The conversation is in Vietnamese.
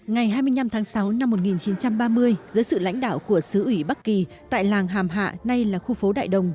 ngày hai mươi năm tháng sáu năm một nghìn chín trăm ba mươi dưới sự lãnh đạo của sứ ủy bắc kỳ tại làng hàm hạ nay là khu phố đại đồng